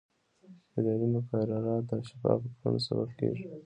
اداري مقررات د شفافو کړنو سبب کېږي.